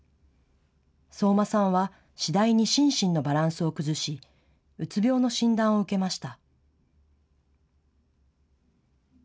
相馬さんは次第に心身のバランスを崩しうつ病の診断を受けました。